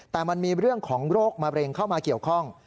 แต่มันมีเรื่องของโรคมะเร็งเข้ามาเกี่ยวข้อง